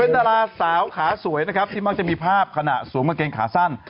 ดาราสาวขาสวยนะครับที่มักจะมีภาพขณะสวมกางเกงขาสั้น